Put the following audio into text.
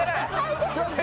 ちょっと！